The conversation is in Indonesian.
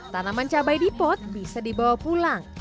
tanaman cabai di pot bisa dibawa pulang